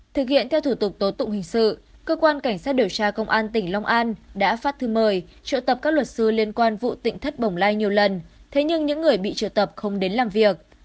thực hiện theo thủ tục tố tụng hình sự cơ quan cảnh sát điều tra công an tỉnh long an đã phát thư mời triệu tập các luật sư liên quan vụ tỉnh thất bồng lai nhiều lần thế nhưng những người bị triệu tập không đến làm việc